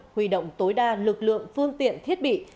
huy động tối đa lực lượng phương tiện thiết bị